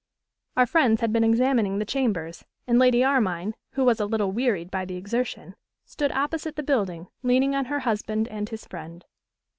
Our friends had been examining the chambers, and Lady Armine, who was a little wearied by the exertion, stood opposite the building, leaning on her husband and his friend.